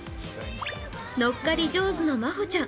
乗っかり上手のまほちゃん。